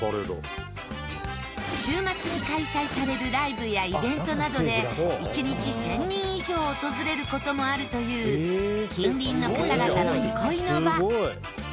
週末に開催されるライブやイベントなどで１日１０００人以上訪れる事もあるという近隣の方々の憩いの場。